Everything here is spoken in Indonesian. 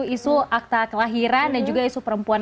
isu akta kelahiran dan juga isu perempuan